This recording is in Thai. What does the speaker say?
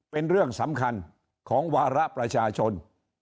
เป็นเรื่องสำคัญของวาระประชาชน